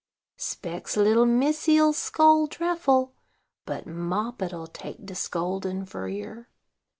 Specs little missy'll scold dreffle; but Moppet'll take de scoldin for yer.